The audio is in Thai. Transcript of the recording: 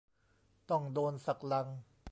ต้องโดนสักลัง